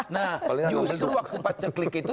nah justru waktu pacekli itu